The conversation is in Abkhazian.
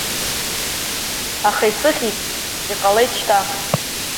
Аха исыхьит, иҟалеит шьҭа.